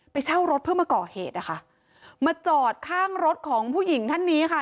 เช่ารถเพื่อมาก่อเหตุนะคะมาจอดข้างรถของผู้หญิงท่านนี้ค่ะ